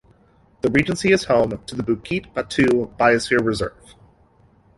The regency is home to the Bukit Batu Biosphere Reserve.